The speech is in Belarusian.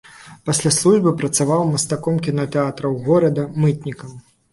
Пасля службы працаваў мастаком кінатэатраў горада, мытнікам.